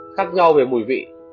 khác nhau về mùi vị